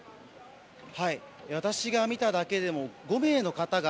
私が見ただけでも５名の方が